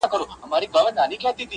چې دغه مهال ورته خوږوالی